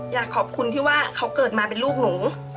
อยากขอบคุณที่ว่าเขาเกิดมาเป็นลูกหนู